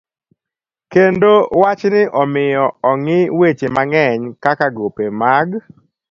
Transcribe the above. Kendo wachni omiyo ong'i weche mang'eny kaka gope mag